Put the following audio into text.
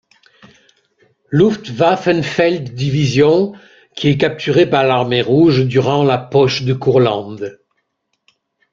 Luftwaffen-Feld-Division qui est capturée par l'Armée Rouge durant la poche de Courlande.